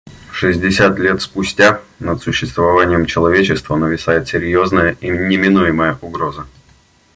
Шестьдесят лет спустя над существованием человечества нависает серьезная и неминуемая угроза.